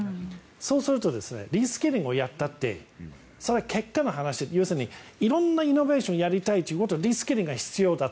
そうするとリスキリングをやったってそれは結果の話要するに色んなイノベーションをやりたいからリスキリングが必要だと。